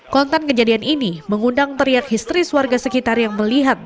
konten kejadian ini mengundang teriak histeris warga sekitar yang melihat